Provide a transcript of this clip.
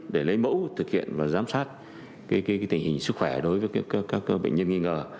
để lấy mẫu thực hiện và giám sát tình hình sức khỏe đối với các bệnh nhân nghi ngờ